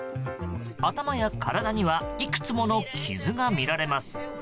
頭や体にはいくつもの傷が見られます。